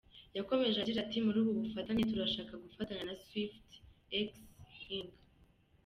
Yakomeje agira ati “Muri ubu bufatanye turashaka gufatanya na Swift-x Inc.